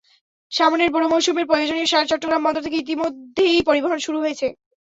সামনের বোরো মৌসুমের প্রয়োজনীয় সার চট্টগ্রাম বন্দর থেকে ইতিমধ্যেই পরিবহন শুরু হয়েছে।